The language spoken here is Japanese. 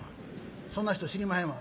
そんな人知りまへんわ」。